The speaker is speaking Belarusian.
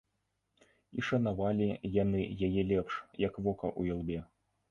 І шанавалі яны яе лепш, як вока ў ілбе.